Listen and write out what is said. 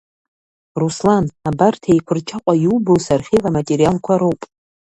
Руслан, абарҭ еиқәырчаҟәа иубо сархив аматериалқәа роуп.